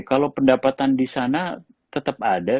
kalau pendapatan di sana tetap ada